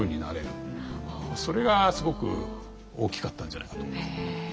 それがすごく大きかったんじゃないかと思いますね。